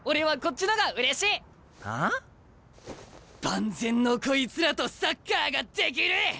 万全のこいつらとサッカーができる！